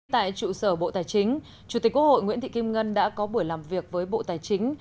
tại trụ sở bộ tài chính chủ tịch quốc hội nguyễn thị kim ngân đã có buổi làm việc với bộ tài chính